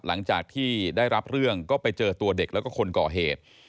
หลังจากที่ได้รับเรื่องก็ไปเจอตัวเด็กแล้วก็คนก่อเหตุ